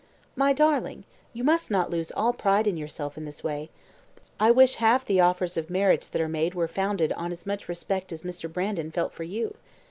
My darling, you must not lose all pride in yourself in this way. I wish half the offers of marriage that are made were founded on as much respect as Mr. Brandon felt for you.